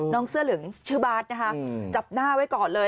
เสื้อเหลืองชื่อบาสนะคะจับหน้าไว้ก่อนเลย